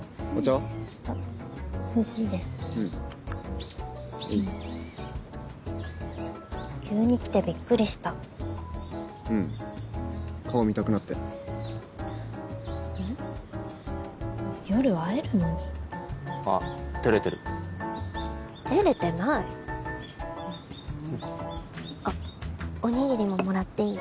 はい急に来てびっくりしたうん顔見たくなって夜会えるのにあってれてるてれてないあっおにぎりももらっていい？